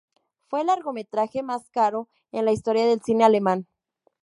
Fue el largometraje más caro en la historia del cine alemán.